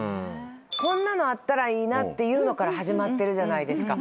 こんなのあったらいいなっていうのから始まってるじゃないですか。